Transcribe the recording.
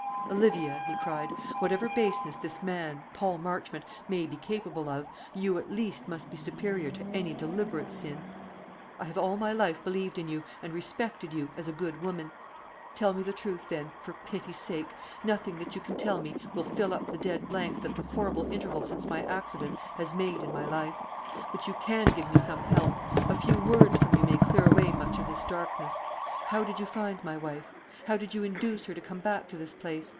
"Olivia," he cried, "whatever baseness this man, Paul Marchmont, may be capable of, you at least must be superior to any deliberate sin. I have all my life believed in you, and respected you, as a good woman. Tell me the truth, then, for pity's sake. Nothing that you can tell me will fill up the dead blank that the horrible interval since my accident has made in my life. But you can give me some help. A few words from you may clear away much of this darkness. How did you find my wife? How did you induce her to come back to this place?